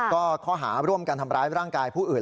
ก็ข้อหาร่วมกันทำร้ายร่างกายผู้อื่น